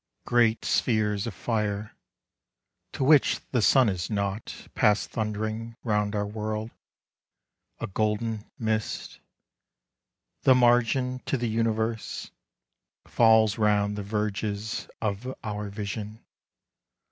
GREAT spheres of fire, to which the sun is nought Pass thund'ring round our world. A golden mist The margin to the universe, — falls round The verges of our vision.